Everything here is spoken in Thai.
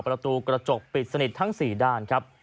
ประตูกระจกปิดสนิททั้ง๔ด้านครับ